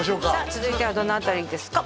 続いてはどの辺りですか？